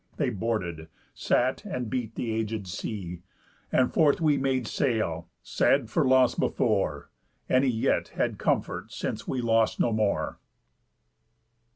They boarded, sat, and beat the aged sea; And forth we made sail, sad for loss before, Any yet had comfort since we lost no more."